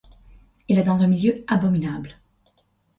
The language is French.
Il est dans un milieu abominable.